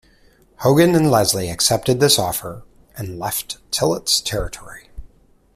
Hogan and Leslie accepted this offer and left Tillet's territory.